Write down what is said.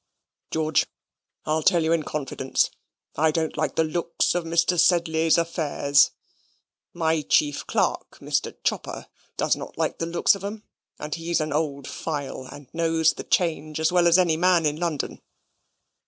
George! I tell you in confidence I don't like the looks of Mr. Sedley's affairs. My chief clerk, Mr. Chopper, does not like the looks of 'em, and he's an old file, and knows 'Change as well as any man in London.